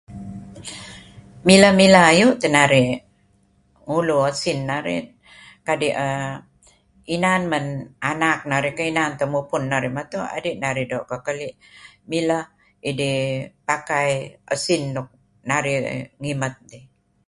Mileh-mileh ayu' teh narih ngulu esin narih kadi' err inan men anak narih keh, inan men mupun narih meto, adi' narih doo' kekeli' mileh idih pakai esin nuk narih ngimet.